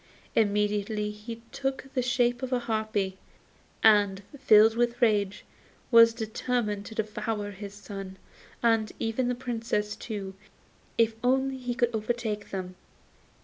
Immediately he took the shape of a harpy, and, filled with rage, was determined to devour his son, and even the Princess too, if only he could overtake them.